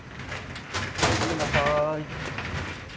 ・ごめんなさい。